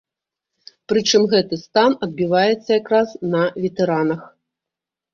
Прычым, гэты стан адбіваецца якраз на ветэранах.